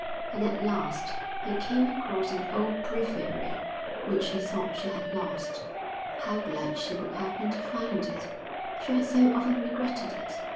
And at last he came across an old breviary which he thought she had lost how glad she would have been to find it, she had so often regretted it!